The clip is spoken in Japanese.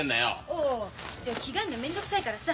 ああいや着替えんの面倒くさいからさ。